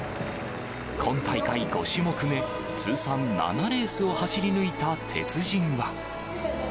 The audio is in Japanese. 今大会５種目目、通算７レースを走り抜いた鉄人は。